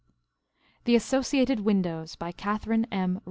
THE ASSOCIATED WIDOWS BY KATHARINE M.